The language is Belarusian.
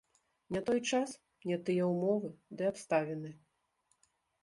Не той час, не тыя ўмовы ды абставіны.